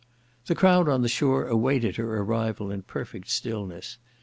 The crowd on the shore awaited her arrival in perfect stillness.